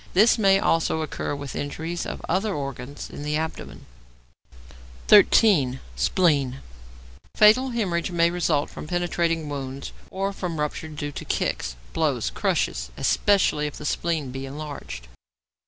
This may also occur with injuries of other organs in the abdomen. 13. =Of the Spleen.= Fatal hæmorrhage may result from penetrating wounds or from rupture due to kicks, blows, crushes, especially if the spleen be enlarged.